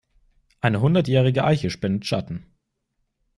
Eine hundertjährige Eiche spendet Schatten.